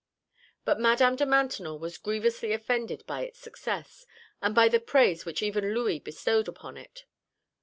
But Madame de Maintenon was grievously offended by its success, and by the praise which even Louis bestowed upon it.